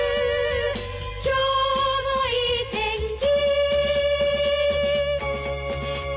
「今日もいい天気」